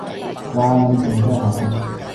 嘩咁勁嘅真係嚇親